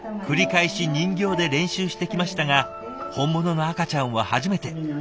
繰り返し人形で練習してきましたが本物の赤ちゃんは初めて。